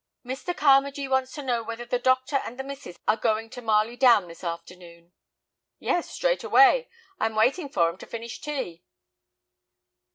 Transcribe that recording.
"Mr. Carmagee wants to know whether the doctor and the missus are going to Marley Down this afternoon?" "Yes, straight away. I'm waiting for 'em to finish tea."